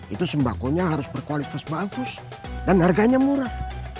itu sembakonya harus berkualitas bagus dan harganya murah